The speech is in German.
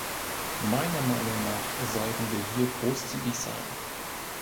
Meiner Meinung nach sollten wir hier großzügig sein.